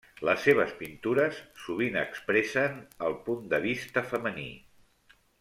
Les seves pintures sovint expressen el punt de vista femení.